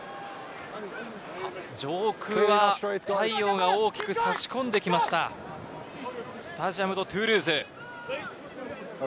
上空は太陽が大きく差し込んできました、スタジアム・ド・トゥールーズ。